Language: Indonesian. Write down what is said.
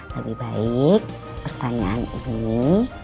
lebih baik pertanyaan ini